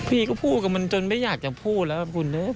พี่ก็พูดกับมันจนไม่อยากจะพูดแล้วคุณ